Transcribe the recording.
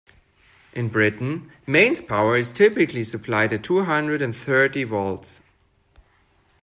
In Britain, mains power is typically supplied at two hundred and thirty volts